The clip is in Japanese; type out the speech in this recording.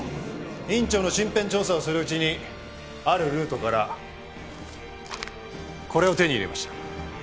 院長の身辺調査をするうちにあるルートからこれを手に入れました。